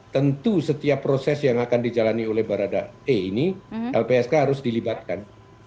tentu setiap proses yang akan dijalani oleh barada e ini lpsk harus dilibatkan